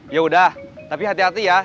yaudah tapi hati hati ya